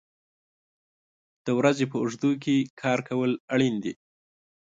د ورځې په اوږدو کې کار کول اړین دي.